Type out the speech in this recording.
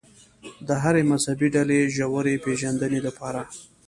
د هرې مذهبي ډلې ژورې پېژندنې لپاره.